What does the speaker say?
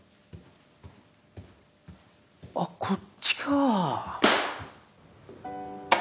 あっこっちか。